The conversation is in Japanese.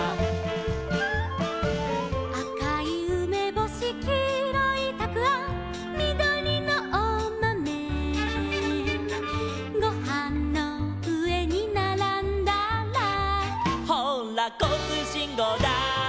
「あかいうめぼし」「きいろいたくあん」「みどりのおまめ」「ごはんのうえにならんだら」「ほうらこうつうしんごうだい」